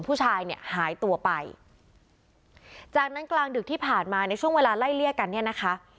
ผู้ชายเนี่ยหายตัวไปจากนั้นกลางดึกที่ผ่านมาในช่วงเวลาไล่เลี่ยกันเนี่ยนะคะ